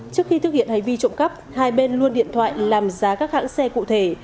trước khi thực hiện hành vi trộm cắp hai bên luôn điện thoại làm giá các hãng xe cụ thể